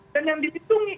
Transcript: dan yang ditunggu